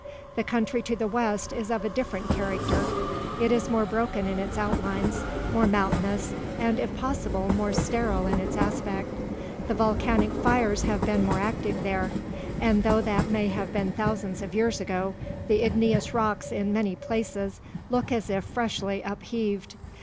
The country to the west is of a different character. It is more broken in its outlines, more mountainous, and if possible more sterile in its aspect. The volcanic fires have been more active there; and though that may have been thousands of years ago, the igneous rocks in many places look as if freshly upheaved.